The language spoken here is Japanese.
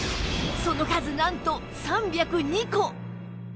その数なんと３０２個！